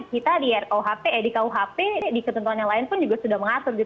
kita di rkuhp di kuhp di ketentuan yang lain pun juga sudah mengatur